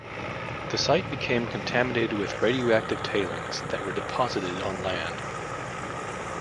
The site became contaminated with radioactive tailings that were deposited on land.